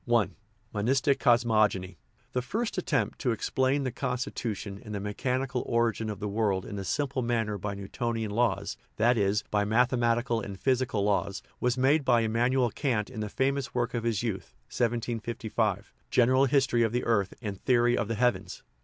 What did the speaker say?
L MONISTIC COSMOGONY The first attempt to explain the constitution and the mechanical origin of the world in a simple manner by "Newtonian laws" that is, by mathematical and physical laws was made by Immanuel Kant in the famous work of his youth (1755), General History of the Earth and Theory of the Heavens.